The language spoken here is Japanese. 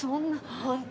本当。